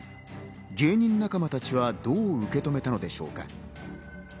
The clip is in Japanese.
芸人仲間たちはどう受け止めたのでしょうか。